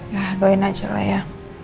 ya doin aja lah ya